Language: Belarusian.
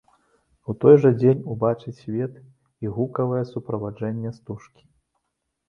У той жа дзень убачыць свет і гукавое суправаджэнне стужкі.